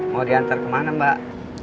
mau diantar kemana mbak